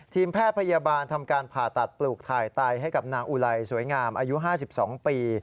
ทีมแพทย์พยาบาลทำการผ่าตัดปลูกถ่ายไตให้กับนางอุไลสวยงามอายุ๕๒ปี